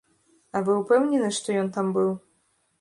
А вы ўпэўнены, што ён там быў?